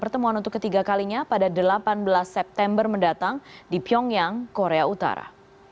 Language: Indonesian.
pertemuan untuk ketiga kalinya pada delapan belas september mendatang di pyongyang korea utara